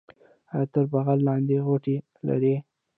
ایا تر بغل لاندې غوټې لرئ؟